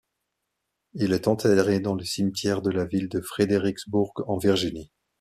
Il est enterré dans le cimetière de la ville de Fredericksburg, en Virginie.